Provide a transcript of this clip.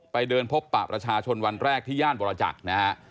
ไปเดินพบปะประชาชนวันแรกที่ย่านบรจักษ์นะฮะ